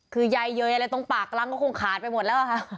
คือย่ายเยอะเลยตรงปากหลังก็คงขาดไปหมดแล้วค่ะ